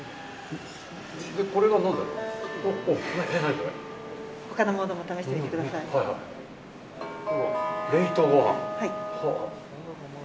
これは何だろう？